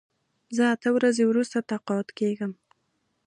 زه اته ورځې وروسته تقاعد کېږم.